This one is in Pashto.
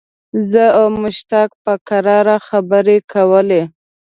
زه او مشتاق په کراره خبرې کولې.